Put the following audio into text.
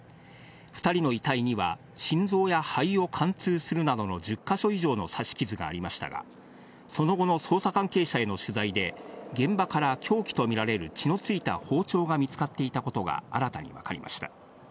２人の遺体には心臓や肺を貫通するなどの１０か所以上の刺し傷がありましたが、その後の捜査関係者への取材で、現場から凶器とみられる血のついた包丁が見つかっていたことが新たに分かりました。